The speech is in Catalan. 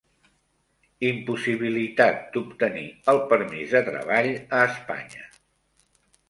Impossibilitat d'obtenir el permís de treball a Espanya.